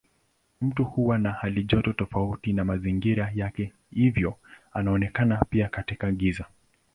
Mtu huwa na halijoto tofauti na mazingira yake hivyo anaonekana pia katika giza.